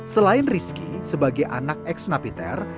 selain rizky sebagai anak ex napiter